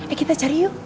eh kita cari yuk